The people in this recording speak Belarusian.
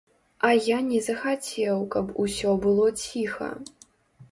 А я не захацеў, каб усё было ціха.